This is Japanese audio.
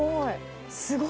すごい！